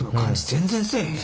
全然せえへんよ。